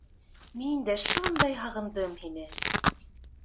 «Мин дә шундай һағындым һине!»